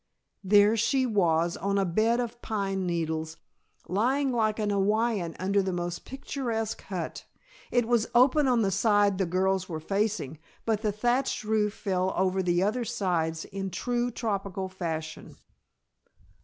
There she was, on a bed of pine needles, lying like an Hawaiian under the most picturesque hut. It was open on the side the girls were facing, but the thatched roof fell over the other sides in true tropical fashion.